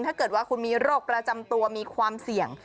ไปด้วยกันเหรอฉะนั้นโอ๊ย